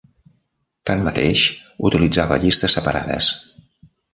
Tanmateix, utilitzava llistes separades.